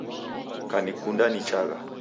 Kanikunda nichagha